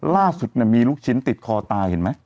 ล่าสุดมีลูกชิ้นติดคอตายเห็นไหม